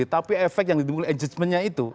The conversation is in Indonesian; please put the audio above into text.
tapi efek yang ditemukan adjustmentnya itu